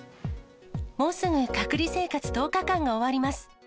もうすぐ隔離生活１０日間が終わります。